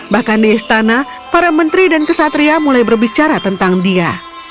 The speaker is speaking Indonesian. bahkan di istana para menteri dan kesatria mulai berbicara tentang dia